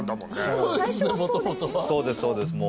そうですそうですもう。